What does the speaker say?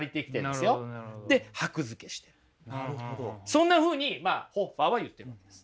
そんなふうにホッファーは言ってるんです。